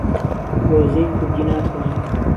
گۆزەی کوردی ناتوانی